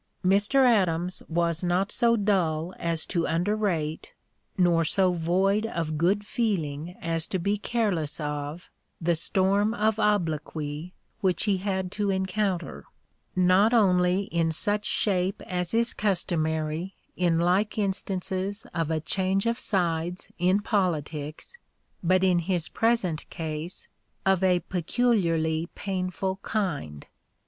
Mr. Adams was not so dull as to underrate, nor so void of good feeling as to be careless of, the storm of obloquy which he had to encounter, not only in such shape as is customary in like instances of a change of sides in politics, but, in his present case, of a peculiarly painful kind.